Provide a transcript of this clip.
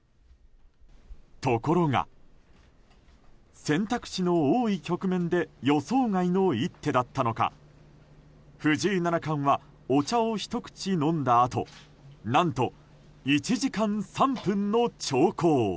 ところが、選択肢の多い局面で予想外の一手だったのか藤井七冠はお茶を一口飲んだあと何と１時間３分の長考。